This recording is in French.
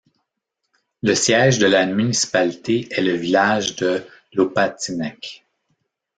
Le siège de la municipalité est le village de Lopatinec.